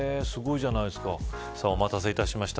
お待たせしました。